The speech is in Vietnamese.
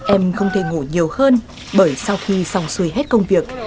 em không thể ngủ nhiều hơn bởi sau khi xong xuôi hết công việc